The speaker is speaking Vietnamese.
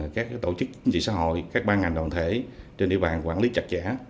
các tổ chức chính trị xã hội các ban ngành đoàn thể trên địa bàn quản lý chặt chẽ